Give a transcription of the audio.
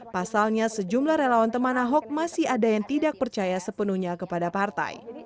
pasalnya sejumlah relawan teman ahok masih ada yang tidak percaya sepenuhnya kepada partai